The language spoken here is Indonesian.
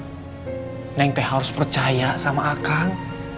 akan teh harus percaya sama akan